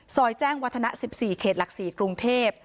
แจ้งวัฒนะ๑๔เขตหลัก๔กรุงเทพ